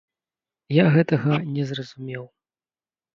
Я гэтага не зразумеў.